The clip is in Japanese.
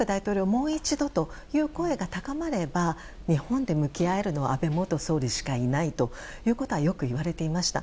もう一度という声が高まれば日本で向き合えるのは安倍元総理しかいないというのはよく言われていました。